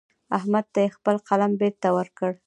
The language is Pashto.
احمد ته يې خپل قلم بېرته ورکړ.